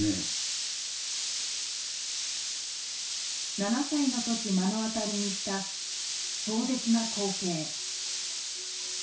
７歳のとき目の当たりにした壮絶な光景。